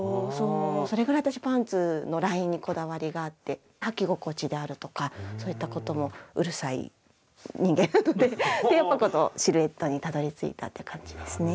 それぐらい私パンツのラインにこだわりがあってはき心地であるとかそういったこともうるさい人間でこのシルエットにたどりついたっていう感じですね。